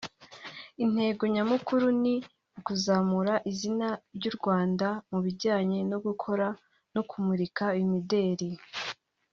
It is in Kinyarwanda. Intego nyamukuru ni ukuzamura izina ry’u Rwanda mu bijyanye no gukora no kumurika imideli